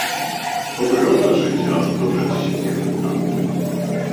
Obrona życia to rzecz święta